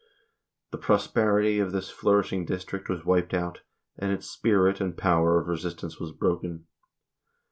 The prosperity of this flourishing district was wiped out, and its spirit and power of resistance was broken.